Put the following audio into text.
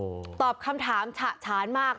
อ้าวตอบคำถามฉะช้านมาก